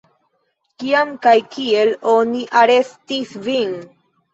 Kiam kaj kiel oni arestis vin?